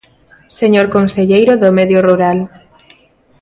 Señor conselleiro do Medio Rural.